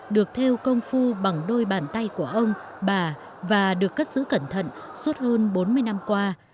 được theo công phu bằng đôi bàn tay của ông bà và được cất giữ cẩn thận suốt hơn bốn mươi năm qua